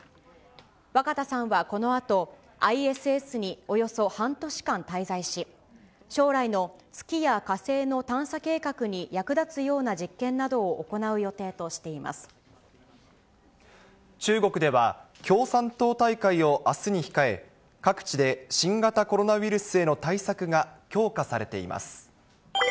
若田さんはこのあと、ＩＳＳにおよそ半年間滞在し、将来の月や火星の探査計画に役立つような実験などを行う予定とし中国では、共産党大会をあすに控え、各地で新型コロナウイルスへの対策が強化されています。